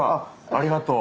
ありがとう。